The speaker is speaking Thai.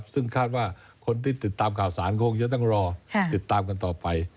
ซึ่งคาดว่าคนที่ติดตามข่าวสารคงจะต้องรอติดตามกันต่อไป